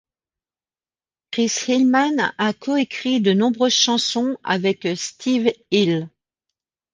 Chris Hillman a coécrit de nombreuses chansons avec Steve Hill.